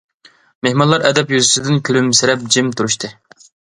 مېھمانلار ئەدەپ يۈزىسىدىن كۈلۈمسىرەپ جىم تۇرۇشتى.